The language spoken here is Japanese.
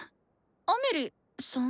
アメリさん？